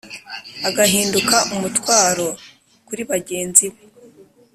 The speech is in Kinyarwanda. agahinduka umutwaro kuri bagenzi be